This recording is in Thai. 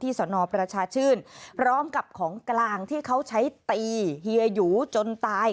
สนประชาชื่นพร้อมกับของกลางที่เขาใช้ตีเฮียหยูจนตาย